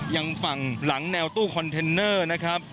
ยังฝั่งหลังแนวตู้คอนเทนเนอร์นะครับ